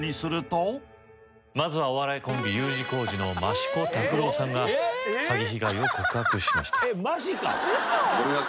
まずはお笑いコンビＵ字工事の益子卓郎さんが詐欺被害を告白しました。